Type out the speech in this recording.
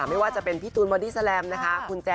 ไม่ว่าจะเป็นพี่ตูนบอดี้แลมนะคะ